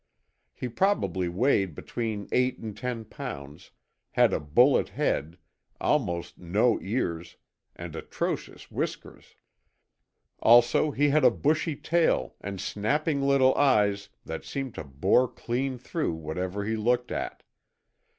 He probably weighed between eight and ten pounds, had a bullet head, almost no ears, and atrocious whiskers. Also he had a bushy tail and snapping little eyes that seemed to bore clean through whatever he looked at.